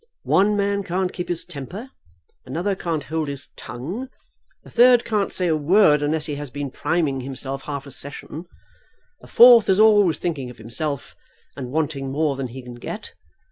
One man can't keep his temper. Another can't hold his tongue. A third can't say a word unless he has been priming himself half a session. A fourth is always thinking of himself, and wanting more than he can get.